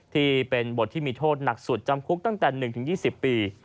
ที่เป็นบทที่มีโทษหนักสุดจำคุกตั้งแต่๑๒๐ปี